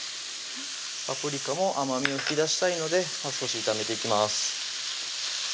パプリカも甘みを引き出したいので少し炒めていきます